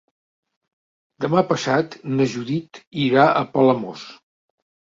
Demà passat na Judit irà a Palamós.